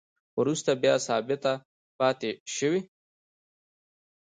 وروسته بیا ثابته پاتې شوې